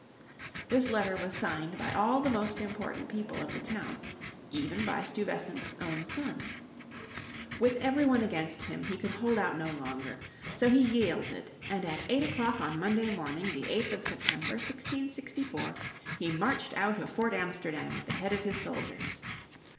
This letter was signed by all the most important people of the town, even by Stuyvesant's own son. With every one against him he could hold out no longer. So he yielded and at eight o'clock on Monday morning, the 8th of September, 1664, he marched out of Fort Amsterdam at the head of his soldiers.